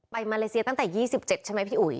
มาเลเซียตั้งแต่๒๗ใช่ไหมพี่อุ๋ย